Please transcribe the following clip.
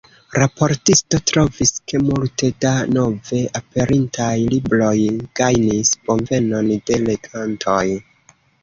Raportisto trovis, ke multe da nove aperintaj libroj gajnis bonvenon de legantoj.